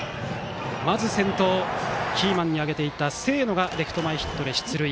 まず先頭、キーマンに挙げていた清野がレフト前ヒットで出塁。